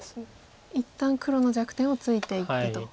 一旦黒の弱点をついていってと。